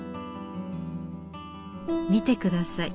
見て下さい。